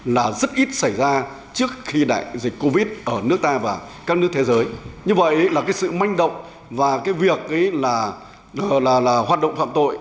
là rất là may động